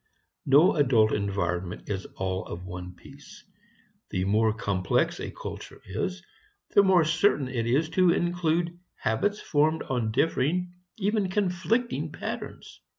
No adult environment is all of one piece. The more complex a culture is, the more certain it is to include habits formed on differing, even conflicting patterns.